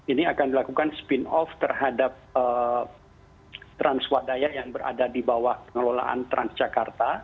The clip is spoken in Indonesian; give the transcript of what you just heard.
ini akan dilakukan spin off terhadap transwadaya yang berada di bawah pengelolaan transjakarta